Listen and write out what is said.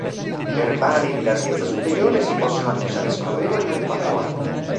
Per vani di larghezza superiore si possono anche usare scorrevoli con quattro ante.